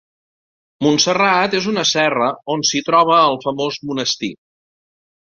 Montserrat és una serra on s'hi troba el famós monestir.